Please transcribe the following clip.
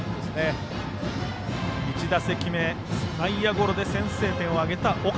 バッターは１打席目、内野ゴロで先制点を挙げた岡。